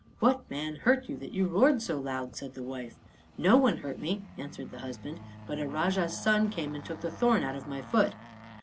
"What man hurt you that you roared so loud?" said the wife. "No one hurt me," answered the husband; "but a Rajah's son came and took the thorn out of my foot."